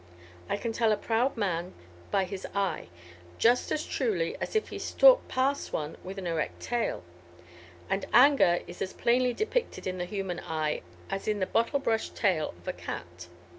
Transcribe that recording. I can tell a proud man by his eye just as truly as if he stalked past one with erect tail; and anger is as plainly depicted in the human eye as in the bottle brush tail of a cat.